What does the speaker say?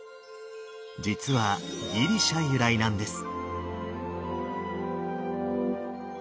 実はギリシャ由来なんです。